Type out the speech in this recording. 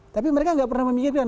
tapi mereka nggak pernah memikirkan